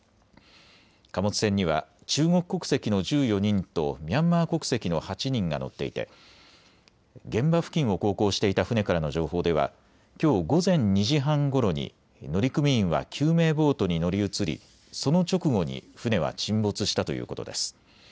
貨物船には中国国籍の１４人とミャンマー国籍の８人が乗っていて現場付近を航行していた船からの情報ではきょう午前２時半ごろに乗組員は救命ボートに乗り移りその直後に船は沈没したということです。